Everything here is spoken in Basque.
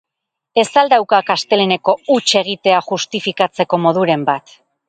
Ez al daukak asteleheneko huts egitea justifikatzeko moduren bat?